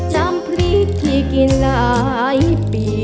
น้ำพริกที่กินหลายปี